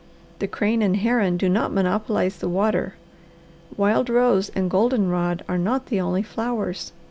The crane and heron do not monopolize the water. Wild rose and golden rod are not the only flowers.